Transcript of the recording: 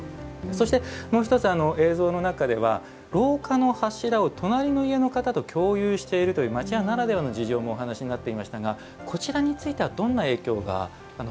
そしてもう一つ映像の中では廊下の柱を隣の家の方と共有しているという町家ならではの事情もお話しになっていましたがこちらについてはどんな影響が生活の中にありますか？